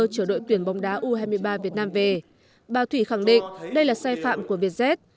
chở đội tuyển bóng đá u hai mươi ba việt nam về bà thủy khẳng định đây là sai phạm của vietjet